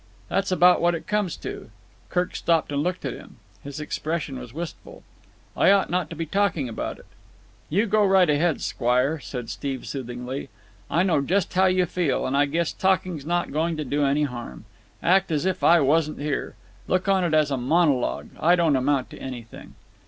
That's about what it comes to." Kirk stopped and looked at him. His expression was wistful. "I ought not to be talking about it." "You go right ahead, squire," said Steve soothingly. "I know just how you feel, and I guess talking's not going to do any harm. Act as if I wasn't here. Look on it as a monologue. I don't amount to anything."